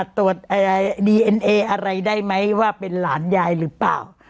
ตรวจดีเอ็นเออะไรได้ไหมว่าเป็นหลานยายหรือเปล่า